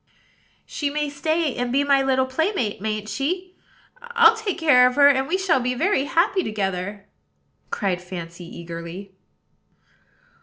"She may stay, and be my little playmate, mayn't she? I'll take care of her; and we shall be very happy together," cried Fancy eagerly.